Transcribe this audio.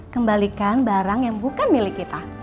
kembalikan barang yang bukan milik kita